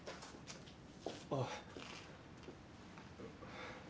ああ。